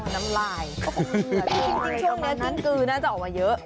ช่วงนี้น่าจะออกมาเยอะ